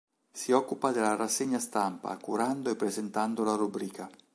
Si occupa della "Rassegna Stampa" curando e presentando la rubrica.